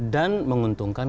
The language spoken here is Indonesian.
dan menguntungkan dua